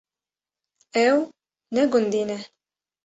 Ew ne gundî ne.